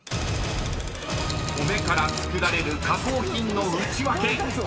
［米から作られる加工品のウチワケ］